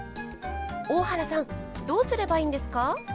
大原さんどうすればいいんですか？